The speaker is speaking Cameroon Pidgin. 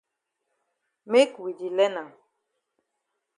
Make we di learn am.